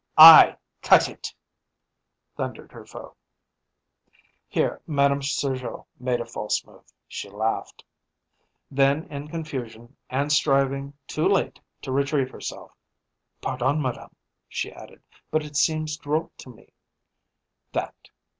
"I cut it!" thundered her foe. Here Madame Sergeot made a false move. She laughed. Then, in confusion, and striving, too late, to retrieve herself "Pardon, madame," she added, "but it seems droll to me, that.